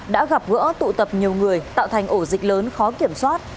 đã gặp gỡ tụ tập nhiều người tạo thành ổ dịch lớn khó kiểm soát